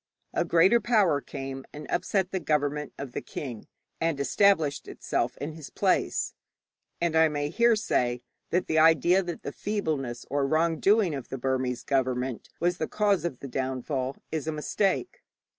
A greater power came and upset the government of the king, and established itself in his place; and I may here say that the idea that the feebleness or wrong doing of the Burmese government was the cause of the downfall is a mistake.